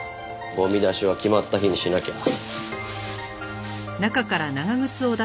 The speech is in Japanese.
ゴミ出しは決まった日にしなきゃ。